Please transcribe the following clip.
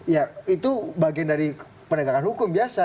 ya itu bagian dari penegakan hukum biasa